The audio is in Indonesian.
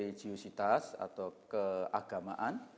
religiositas atau keagamaan